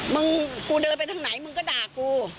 มึงกูเดินไปทางไหนมึงก็ด่ากู